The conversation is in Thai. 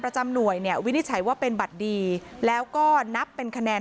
ประจำหน่วยเนี่ยวินิจฉัยว่าเป็นบัตรดีแล้วก็นับเป็นคะแนน